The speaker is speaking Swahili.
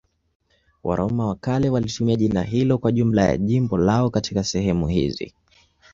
Waroma wa kale walitumia jina hilo kwa jumla ya jimbo lao katika sehemu hizi.